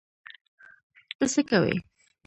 ته څه کوی؟